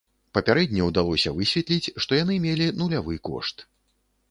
Папярэдне ўдалося высветліць, што яны мелі нулявы кошт.